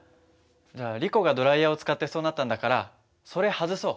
じゃあリコがドライヤーを使ってそうなったんだからそれ外そう。